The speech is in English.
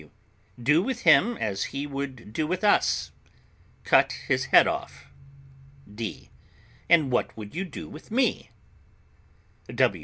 W. Do with him as he would do with us cut his head off. D. And what would you do with me?